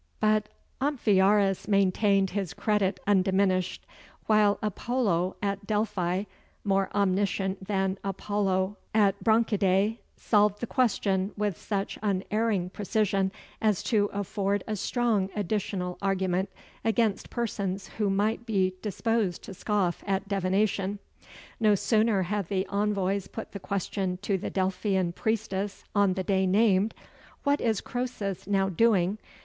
But Amphiaraus maintained his credit undiminished, while Apollo at Delphi, more omniscient than Apollo at Branchidæ, solved the question with such unerring precision, as to afford a strong additional argument against persons who might be disposed to scoff at divination. No sooner had the envoys put the question to the Delphian priestess, on the day named, "What is Croesus now doing?"